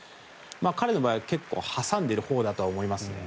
彼の場合は結構挟んでるほうだと思いますね。